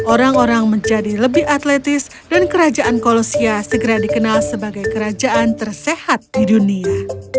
orang orang menjadi lebih atletis dan kerajaan kolosia segera dikenal sebagai kerajaan tersehat di dunia